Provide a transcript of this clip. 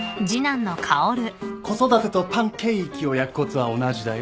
子育てとパンケーキを焼くコツは同じだよ。